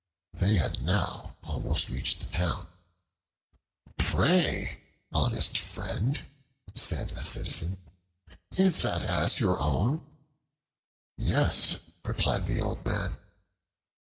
They had now almost reached the town. "Pray, honest friend," said a citizen, "is that Ass your own?" "Yes," replied the old man.